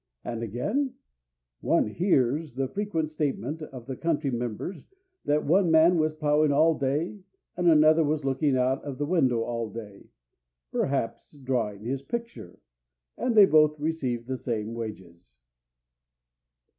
And again: "One hears the frequent statement of the country members that one man was ploughing all day and another was looking out of the window all day perhaps drawing his picture, and they both received the same wages."